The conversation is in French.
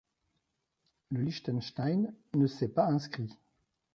Le Liechtenstein ne c'est pas inscrit.